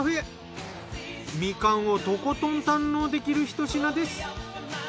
みかんをとことん堪能できるひと品です。